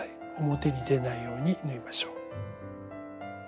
表に出ないように縫いましょう。